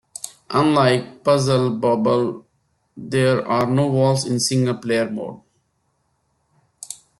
Unlike "Puzzle Bobble", there are no walls in single-player mode.